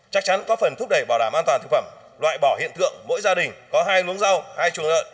chắc chắn có phần thúc đẩy bảo đảm an toàn thực phẩm loại bỏ hiện tượng mỗi gia đình có hai luống rau